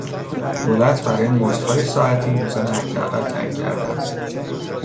دولت برای مزدهای ساعتی میزان حداقل تعیین کرده است.